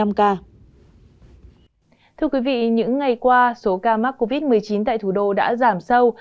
thưa quý vị những ngày qua số ca mắc covid một mươi chín tại thủ đô đã giảm sâu